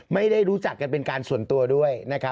ไม่ได้รู้จักกันเป็นการส่วนตัวด้วยนะครับ